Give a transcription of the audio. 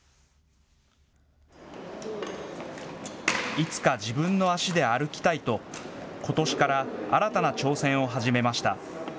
いつか自分の足で歩きたいとことしから新たな挑戦を始めました。